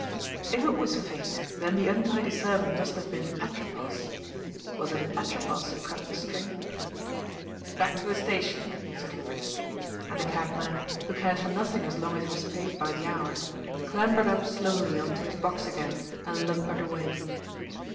If it was fate, then the untidy servant must have been Atropos — wasn't it Atropos who cut the string ?" Back to the station," said Hubert. And the cabman, who cared for nothing as long as he was paid by the hour, clambered up slowly on to his box again and lumbered away.